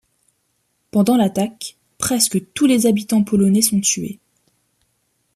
Pendant l’attaque, presque tous les habitants polonais sont tués.